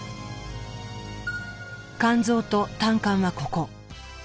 肝臓と胆管はここ。